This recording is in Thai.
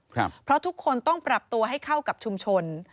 เพราะทุกคนต้องปรับตัวให้เข้ากับชุมชน